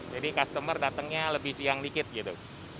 jadi customer datangnya lebih siang dikit gitu